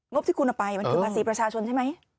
บที่คุณเอาไปมันคือภาษีประชาชนใช่ไหม